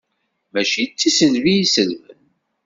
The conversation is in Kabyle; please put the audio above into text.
Mačči d tiselbi i selben.